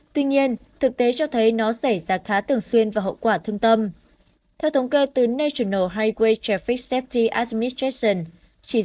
tuy nhiên thực tế cho thấy nó xảy ra khác